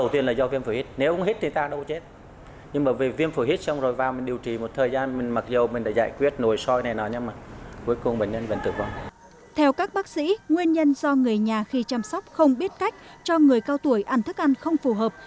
theo các bác sĩ nguyên nhân do người nhà khi chăm sóc không biết cách cho người cao tuổi ăn thức ăn không phù hợp